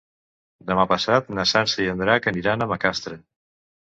Demà passat na Sança i en Drac aniran a Macastre.